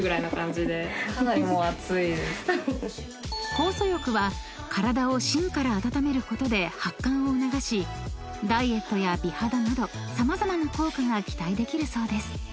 ［酵素浴は体を芯から温めることで発汗を促しダイエットや美肌など様々な効果が期待できるそうです］